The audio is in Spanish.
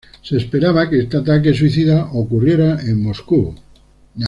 Se esperaba que este ataque suicida ocurriera en Moscú.